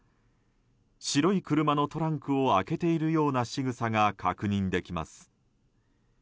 白い車のトランクを開けているようなしぐさが確認できます。